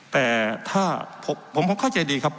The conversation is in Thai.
แต่ถ้าผมเข้าใจดีครับ